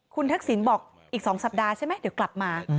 คุณทักษิณบอกอีก๒สัปดาห์ใช่ไหมเดี๋ยวกลับมา